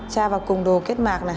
cha vào cùng đồ kết mạc này